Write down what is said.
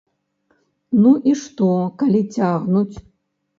Ну і што, калі цягнуць?